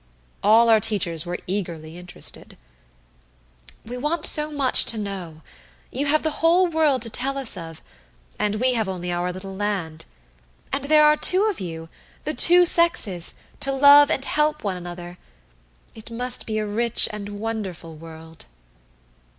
All our teachers were eagerly interested. "We want so much to know you have the whole world to tell us of, and we have only our little land! And there are two of you the two sexes to love and help one another. It must be a rich and wonderful world.